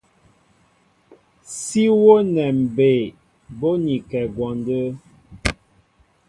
Sí wónɛ mbey bónikɛ ŋgwɔndə́.